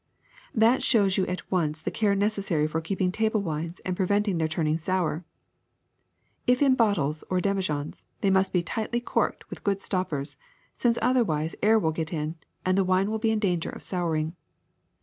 That shows you at once the care necessary for keep ing table wines and preventing their turning sour. If in bottles or demijohns, they must be tightly corked with good stoppers, since otherwise air will get in and the wine will be in danger of souring.